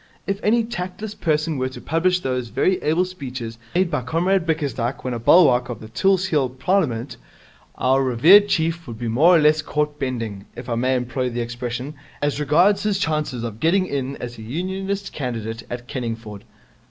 If any tactless person were to publish those very able speeches made by Comrade Bickersdyke when a bulwark of the Tulse Hill Parliament, our revered chief would be more or less caught bending, if I may employ the expression, as regards his chances of getting in as Unionist candidate at Kenningford.